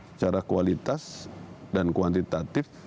secara kualitas dan kuantitatif